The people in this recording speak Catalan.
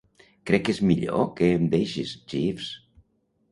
Crec que és millor que em deixis, Jeeves.